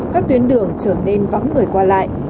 các tuyến đường trở nên vắng người qua lại